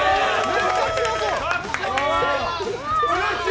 めっちゃ強そう。